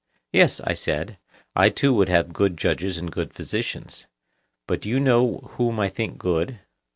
Yes, I said, I too would have good judges and good physicians. But do you know whom I think good?